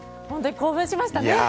本当に興奮しましたね！